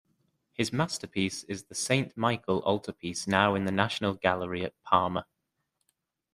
His masterpiece is the "Saint Michael" altar-piece now in the National Gallery at Parma.